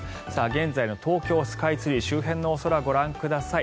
現在の東京スカイツリー周辺のお空、ご覧ください。